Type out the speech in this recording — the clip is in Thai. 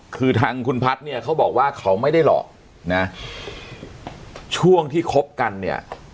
คือทางคุณพัฒน์เนี่ยเขาบอกว่าเขาไม่ได้หลอกนะช่วงที่คบกันเนี่ย